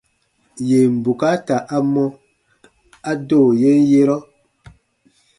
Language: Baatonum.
Yèn bukaata a mɔ, a do yen yerɔ.